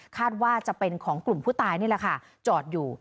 ว่าจะเป็นของกลุ่มผู้ตายนี่แหละค่ะจอดอยู่